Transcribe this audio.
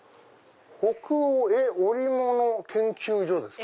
北欧絵織物研究所ですか？